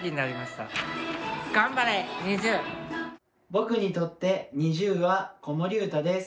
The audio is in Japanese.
ぼくにとってＮｉｚｉＵは子守歌です。